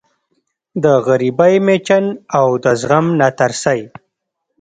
د غریبۍ مېچن او د زغم ناترسۍ